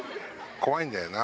怖いんだよな。